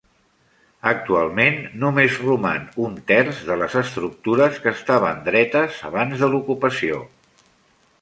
Actualment, només roman un terç de les estructures que estaven dretes abans de l'ocupació.